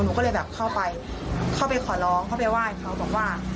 หนูก็เลยแบบเข้าไปเข้าไปขอร้องเข้าไปไหว้เขาบอกว่า